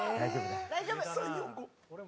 大丈夫。